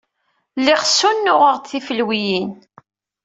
Lliɣ ssunuɣeɣ-d tifelwiyin.